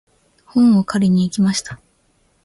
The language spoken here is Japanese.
本を借りに行きました。